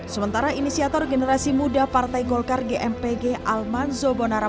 sementara inisiator generasi muda partai golkar gmpg almanzo bonara